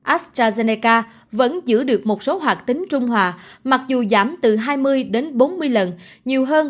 astrazeneca vẫn giữ được một số hoạt tính trung hòa mặc dù giảm từ hai mươi đến bốn mươi lần nhiều hơn